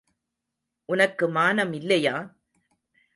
உனக்கு மானம் இல்லையா?